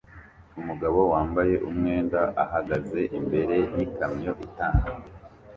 Umugabo wambaye umwenda ahagaze imbere yikamyo itanga